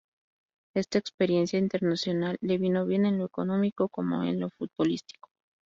Esta experiencia internacional le vino bien en lo económico como en lo futbolístico.